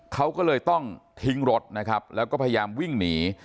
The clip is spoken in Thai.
เขาก็เลยต้องทิ้งรถนะครับแล้วก็พยายามวิ่งหนี